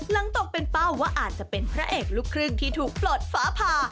ตกเป็นเป้าว่าอาจจะเป็นพระเอกลูกครึ่งที่ถูกปลดฟ้าผ่า